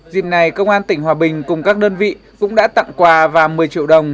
dịp này công an tỉnh hòa bình cùng các đơn vị cũng đã tặng quà và một mươi triệu đồng